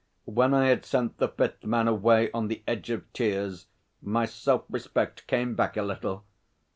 When I had sent the fifth man away on the edge of tears, my self respect came back a little.